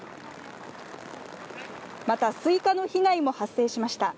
またスイカの被害も発生しました。